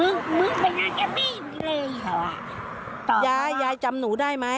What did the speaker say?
เออจำหนูได้นะ